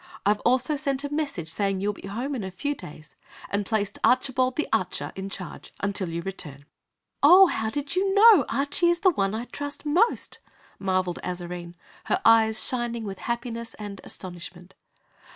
I've also sent a message saying you will be home in a few days, and placed Archibald the Archer in charge till you return!" "Oh, how did you know Archy is the one I trust most?" marveled Azarine, her eyes shining with happiness and astonishment.